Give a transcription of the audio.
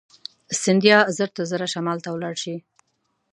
سیندهیا ژر تر ژره شمال ته ولاړ شي.